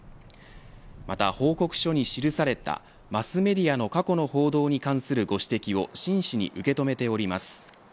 また報告書に記されたマスメディアの過去の報道に関するご指摘を真摯に受け止めております。